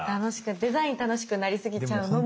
デザイン楽しくなりすぎちゃうのも。